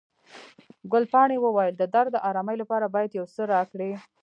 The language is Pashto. ګلپاڼې وویل، د درد د آرامي لپاره باید یو څه راکړئ.